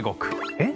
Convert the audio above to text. えっ？